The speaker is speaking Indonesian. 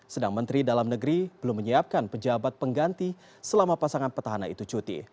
sedang menteri dalam negeri belum menyiapkan pejabat pengganti selama pasangan petahana itu cuti